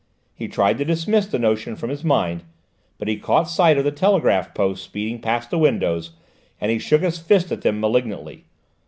He tried to dismiss the notion from his mind, but he caught sight of the telegraph posts speeding past the windows, and he shook his fist at them malignantly.